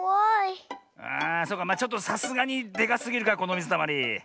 あそうかちょっとさすがにでかすぎるかこのみずたまり。